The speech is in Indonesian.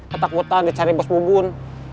ketakutan dicari bos bubun